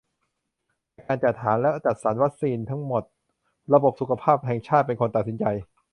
แต่การจัดหาและจัดสรรวัคซีนทั้งหมด ระบบสุขภาพแห่งชาติเป็นคนตัดสินใจ